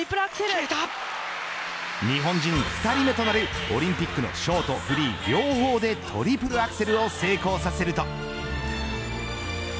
日本人２人目となるオリンピックのショートフリー両方でトリプルアクセルを成功させると。